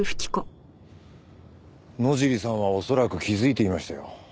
野尻さんは恐らく気づいていましたよ。